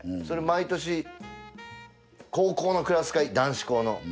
それを毎年高校のクラス会男子校の。